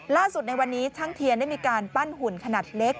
ในวันนี้ช่างเทียนได้มีการปั้นหุ่นขนาดเล็ก